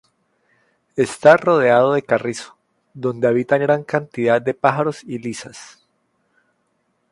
Está rodeado de carrizo, donde habitan gran cantidad de pájaros y lisas.